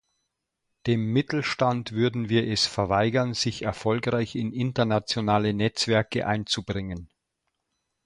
Dem Mittelstand würden wir es verweigern, sich erfolgreich in internationale Netzwerke einzubringen.